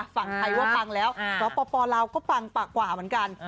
ฝั่งไทยว่าปังแล้วสปลาวก็ปังปากกว่าเหมือนกัน